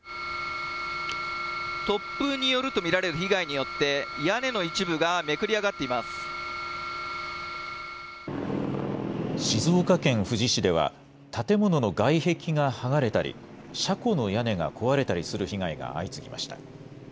突風によると見られる被害によって、屋根の一部がめくり上が静岡県富士市では、建物の外壁が剥がれたり、車庫の屋根が壊れたりする被害が相次ぎました。